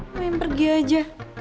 mau yang pergi aja